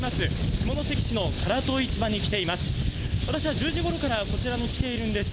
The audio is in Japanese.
下関市の唐戸市場に来ています。